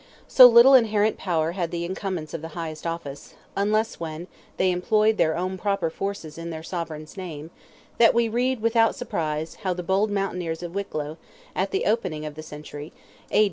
So little inherent power had the incumbents of the highest office—unless when, they employed their own proper forces in their sovereign's name—that we read without surprise, how the bold mountaineers of Wicklow, at the opening of the century (A.